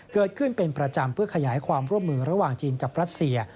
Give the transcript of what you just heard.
เกิดขึ้นเป็นประจำเพื่อขยายความร่วมมือระหว่างจีนกับรัสเซีย